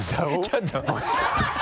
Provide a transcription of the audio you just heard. ちょっと